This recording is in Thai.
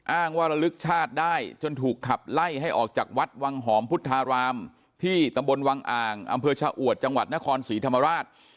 ว่าระลึกชาติได้จนถูกขับไล่ให้ออกจากวัดวังหอมพุทธารามที่ตำบลวังอ่างอำเภอชะอวดจังหวัดนครศรีธรรมราช